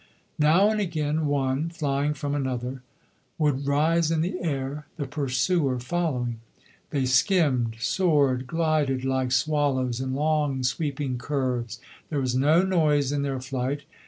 Now and again one, flying from another, would rise in the air, the pursuer following. They skimmed, soared, glided like swallows, in long sweeping curves there was no noise in their flight.